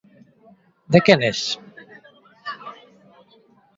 De quen es?